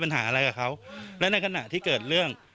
นะแนะที่เกิดเรื่อง